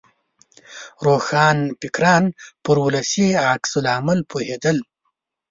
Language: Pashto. روښانفکران پر ولسي عکس العمل پوهېدل.